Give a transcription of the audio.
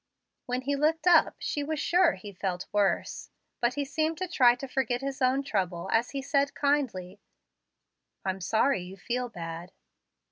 When he looked up she was sure he felt worse. But he seemed to try to forget his own trouble as he said kindly, "I'm sorry you feel bad."